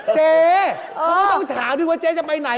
เจ๊เขาก็ต้องถามด้วยว่าเจ๊จะไปไหน